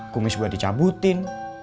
kumis gue dicabutin